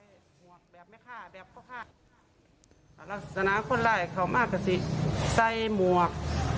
อีโมงใส่จักรน้อยเวลาพับอีโมง